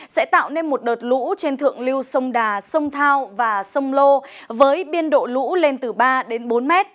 sẽ tạo nên một đợt lũ trên thượng lưu sông đà sông thao và sông lô với biên độ lũ lên từ ba đến bốn m